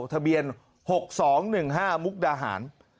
ทะเบียน๖๒๑๕มุกดาหาร